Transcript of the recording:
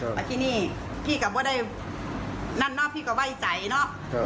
เออมาที่นี่พี่ก็ไม่ได้นั่นเนอะพี่ก็ไว้ใจเนอะครับ